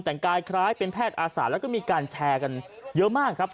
แต่งกายคล้ายเป็นแพทย์อาสาแล้วก็มีการแชร์กันเยอะมากครับ